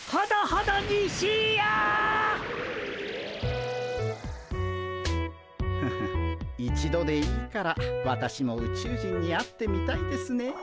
ハハッ一度でいいから私も宇宙人に会ってみたいですねえ。